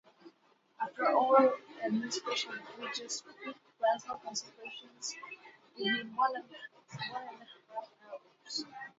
After oral administration, it reaches peak plasma concentrations within one and a half hours.